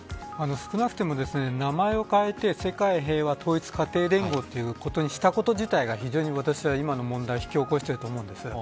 少なくとも名前を変えて世界平和統一家庭連合ということにしたこと自体が非常に私は今の問題を引き起こしていると思います。